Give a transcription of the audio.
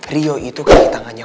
rio itu kaki tangannya